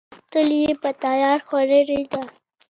تل یې په تیار خوړلې ده.